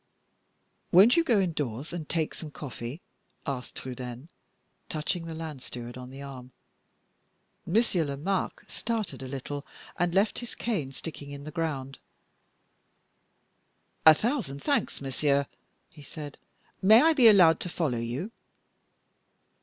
"Won't you go indoors, and take some coffee?" asked Trudaine, touching the land steward on the arm. Monsieur Lomaque started a little and left his cane sticking in the ground. "A thousand thanks, monsieur," he said; "may I be allowed to follow you?"